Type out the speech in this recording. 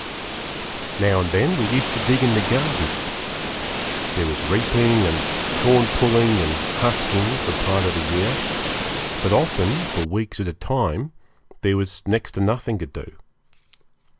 Now and then we used to dig in the garden. There was reaping and corn pulling and husking for part of the year; but often, for weeks at a time, there was next to nothing to do.